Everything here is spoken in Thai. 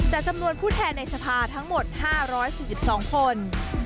แต่จำนวนผู้แทนในสภาทั้งหมด๕๔๒คน